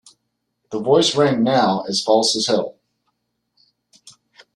The voice rang now as false as hell.